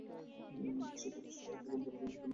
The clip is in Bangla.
এসেই যখন পড়েছ, এখানে বস।